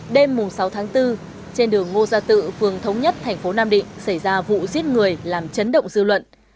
đêm sáu tháng bốn trên đường ngô gia tự phường thống nhất thành phố nam định xảy ra vụ giết người làm chấn động dư luận